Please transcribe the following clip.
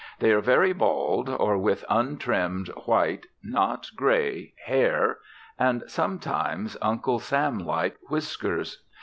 They are very bald, or with untrimmed white (not grey) hair, and, sometimes, Uncle Sam like whiskers.